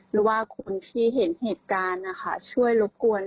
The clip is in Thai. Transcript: หรือว่าคนที่เห็นเหตุการณ์นะคะช่วยรบกวน